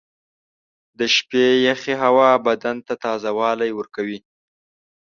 • د شپې یخې هوا بدن ته تازهوالی ورکوي.